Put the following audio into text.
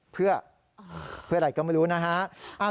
เพื่ออะไรก็ไม่รู้นะฮะ